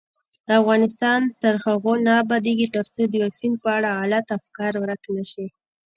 افغانستان تر هغو نه ابادیږي، ترڅو د واکسین په اړه غلط افکار ورک نشي.